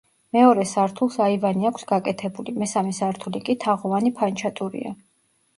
მეორე სართულს აივანი აქვს გაკეთებული, მესამე სართული კი თაღოვანი ფანჩატურია.